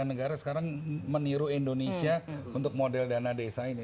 dua puluh tiga negara sekarang meniru indonesia untuk model dana desa ini